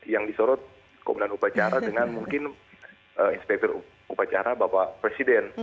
yang disorot komendan upacara dengan inspektur upacara bapak presiden